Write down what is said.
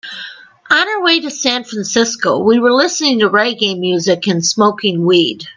On our way to San Francisco, we were listening to reggae music and smoking weed.